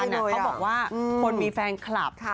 เขาบอกว่าคนมีแฟนคลับ